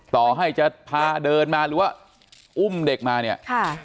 ต่อให้จะพาเดินมาหรือว่าอุ้มเด็กมาเนี่ยค่ะ